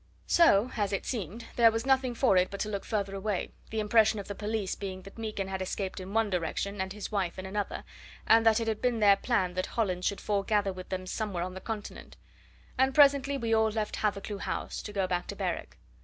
So as it seemed there was nothing for it but to look further away, the impression of the police being that Meekin had escaped in one direction and his wife in another, and that it had been their plan that Hollins should foregather with them somewhere on the Continent; and presently we all left Hathercleugh House to go back to Berwick.